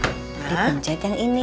dipencet yang ini